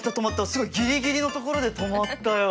すごいギリギリの所で止まったよ。